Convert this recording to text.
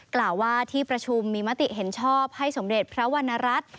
กล่าวว่าที่ประชุมมีมติเห็นชอบให้สมเด็จพระวรรณรัฐ